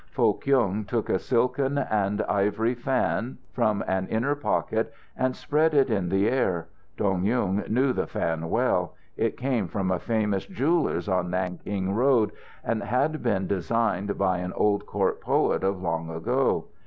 Foh Kyung took a silken and ivory fan from an inner pocket and spread it in the air. Dong Yung knew the fan well. It came from a famous jeweller's on Nanking Road, and had been designed by an old court poet of long ago.